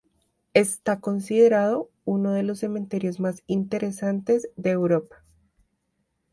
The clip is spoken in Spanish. Está considerado uno de los cementerios más interesantes de Europa.